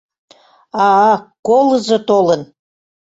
— А-а, колызо толын!